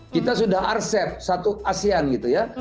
kita sudah arcep satu asean gitu ya